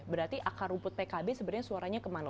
berarti akar rumput pkb sebenarnya suaranya kemana